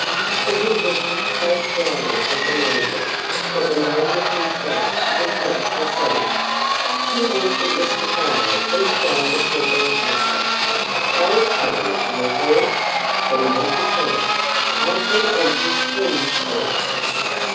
But he looked so slyly at the Major that the Major himself was not deceived. He winked at Mr. Crow and shied a pebble at him. "I'll tell you, old boy!" the Major cried. "I've been eating hens' eggs."